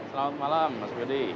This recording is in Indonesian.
selamat malam mas gede